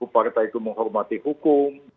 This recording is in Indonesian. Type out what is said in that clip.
partai itu menghormati hukum